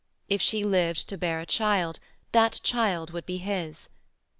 If she lived to bear a child, that child would be his.